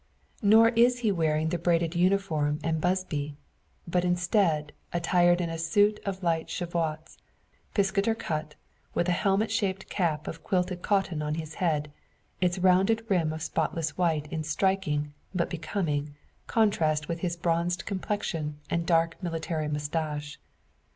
No more is he wearing the braided uniform and "busby;" but, instead, attired in a suit of light Cheviots, piscator cut, with a helmet shaped cap of quilted cotton on his head, its rounded rim of spotless white in striking, but becoming, contrast with his bronzed complexion and dark military moustache.